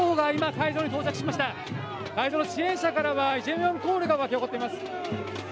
会場の支援者からはイ・ジェミョンコールが沸き起こっています。